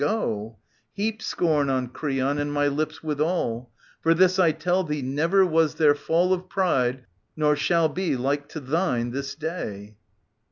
— Go, Heap scorn on Creon and my lips withal : For this I tell thee, never was there fall Of pride, nor shall be, like to thine this day.